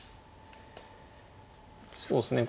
そうですね